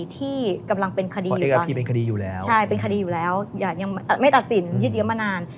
ที่กำลังเป็นคดีอยู่แล้วใช่เป็นคดีอยู่แล้วไม่ตัดสินยึดเยอะมานาน